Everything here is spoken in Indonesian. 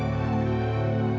aku mau balik